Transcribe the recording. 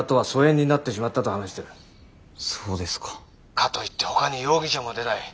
かといってほかに容疑者も出ない。